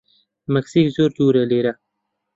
مەکسیک زۆر دوورە لێرە.